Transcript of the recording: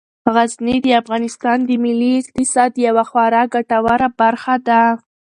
غزني د افغانستان د ملي اقتصاد یوه خورا ګټوره برخه ده.